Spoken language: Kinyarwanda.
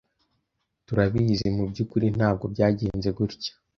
Turabizi mubyukuri ntabwo byagenze gutya.